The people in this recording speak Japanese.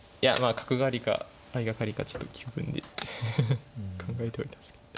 角換わりか相掛かりかちょっと気分で考えてはいたんですけど。